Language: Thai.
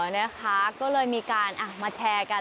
นะคะก็เลยมีการมาแชร์กัน